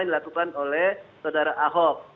dilakukan oleh saudara ahok